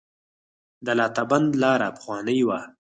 د لاتابند لاره پخوانۍ وه